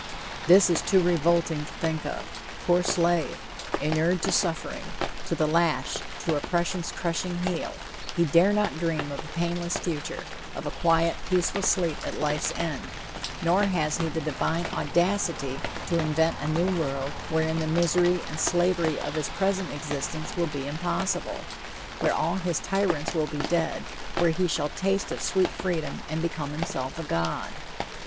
This is too revolting to think of. Poor slave! Inured to suffering, to the lash, to oppression's crushing heel, he dare not dream of a painless future, of a quiet, peaceful sleep at life's end, nor has he the divine audacity to invent a new world wherein the misery and slavery of his present existence will be impossible, where all his tyrants will be dead, where he shall taste of sweet freedom and become himself a god.